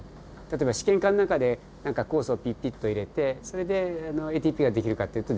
例えば試験管の中で何か酵素をピッピッと入れてそれでＡＴＰが出来るかっていうと出来なくて。